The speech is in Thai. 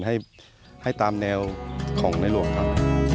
ให้ตามแนวของในหลวงครับ